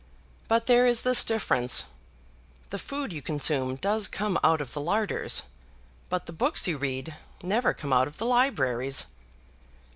But there is this difference; the food you consume does come out of the larders, but the books you read never come out of the libraries."